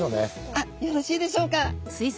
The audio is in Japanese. あっよろしいでしょうか。